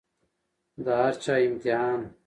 د هر چا امتحان